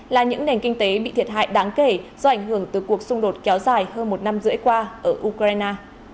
là những nền kinh tế bị thiệt hại đáng kể do ảnh hưởng từ cuộc xung đột kéo dài hơn một năm rưỡi qua ở ukraine